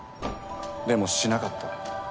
でもしなかった。